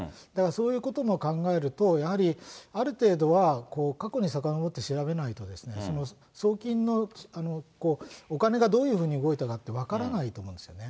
そういうことも考えると、やはりある程度は過去にさかのぼって調べないと、送金のお金がどういうふうに動いたかって分からないと思うんですよね。